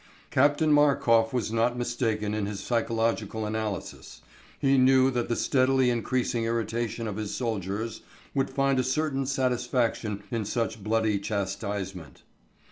Captain Markof was not mistaken in his psychological analysis; he knew that the steadily increasing irritation of his soldiers would find a certain satisfaction in such bloody chastisement.